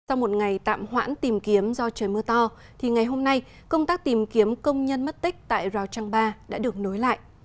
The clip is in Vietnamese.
sau một ngày tạm hoãn tìm kiếm do trời mưa to thì ngày hôm nay công tác tìm kiếm công nhân mất tích tại rào trăng ba đã được nối lại